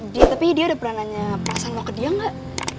dia tapi dia udah pernah nanya perasaan mau ke dia nggak